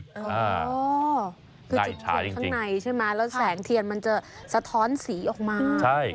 อ๋อในข้างในใช่ไหมแล้วแสงเทียนมันจะสะท้อนสีออกมาใช่